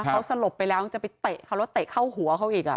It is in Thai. เขาสลบไปแล้วจะไปเตะเขาแล้วเตะเข้าหัวเขาอีก